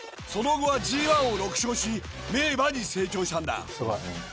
その後はＧⅠを６勝し名馬に成長したんだ。